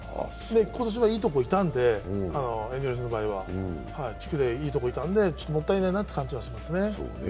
今年はいいところにいたので、エンゼルスの場合は、地区でいいところにいたので、もったいないなという感じはしますね。